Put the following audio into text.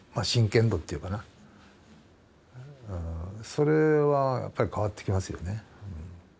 それはやっぱり、変わってきますよね。